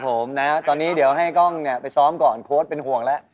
ครับผมตอนนี้เดี๋ยวให้กล้องไปซ้อมก่อนโค้ดเป็นห่วงแล้ว